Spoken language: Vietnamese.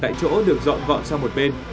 tại chỗ được dọn gọn sang một bên